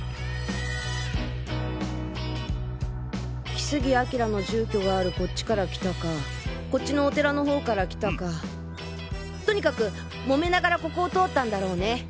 木杉彬の住居があるこっちから来たかこっちのお寺の方から来たかとにかく揉めながらここを通ったんだろうね。